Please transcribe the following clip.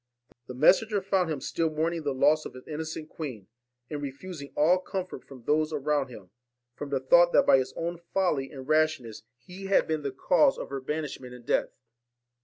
The messenger found him still mourning the loss of his innocent queen, and refusing all comfort from those around him, from the thought that by his own folly and rashness he had been the cause D 49 VALEN of her banishment and death.